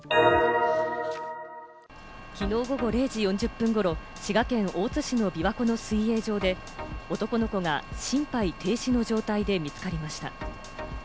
きのう午後０時４０分ごろ、滋賀県大津市の琵琶湖の水泳場で男の子が心肺停止の状態で見つかりました。